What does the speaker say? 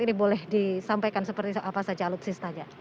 ini boleh disampaikan seperti apa saja alutsistanya